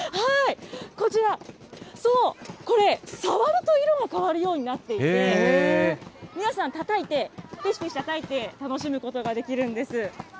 こちら、そう、これ、触ると色が変わるようになっていて、皆さん、たたいて、ぺしぺしたたいて楽しむことができるんです。